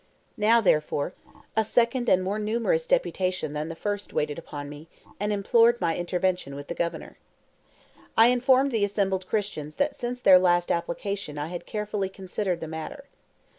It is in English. Now, therefore, a second and more numerous deputation than the first waited upon me, and implored my intervention with the Governor. I informed the assembled Christians that since their last application I had carefully considered the matter.